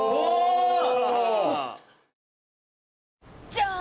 じゃーん！